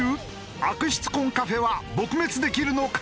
悪質コンカフェは撲滅できるのか？